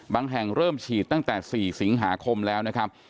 แห่งเริ่มฉีดตั้งแต่๔สิงหาคมแล้วนะครับ